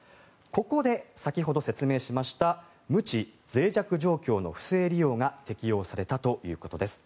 ここで先ほど説明しました無知・脆弱状況の不正利用が適用されたということです。